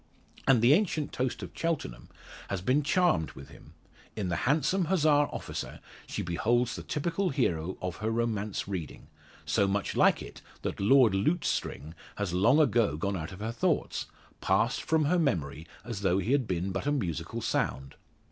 And the ancient toast of Cheltenham has been charmed with him. In the handsome Hussar officer she beholds the typical hero of her romance reading; so much like it, that Lord Lutestring has long ago gone out of her thoughts passed from her memory as though he had been but a musical sound.